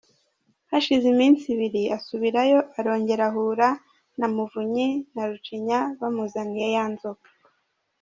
Hashize iminsi ibiri asubirayo arongero ahura na Muvunyi na Rucinya bamuzaniye ya nzoga.